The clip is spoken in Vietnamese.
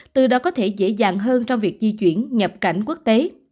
từ đó có thể dễ dàng hơn trong việc di chuyển nhập cảnh quốc tế